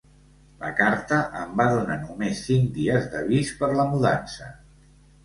La carta em va donar només cinc dies d'avís per la mudança.